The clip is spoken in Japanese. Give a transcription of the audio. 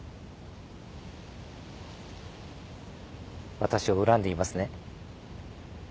私を恨んでいますね。